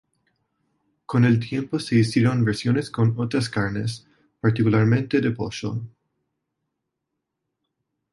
Con el tiempo se hicieron versiones con otras carnes, particularmente de pollo.